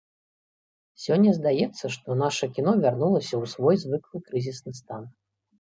Сёння здаецца, што наша кіно вярнулася ў свой звыклы крызісны стан.